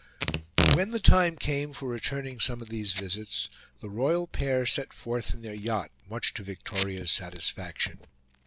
When the time came for returning some of these visits, the royal pair set forth in their yacht, much to Victoria's satisfaction.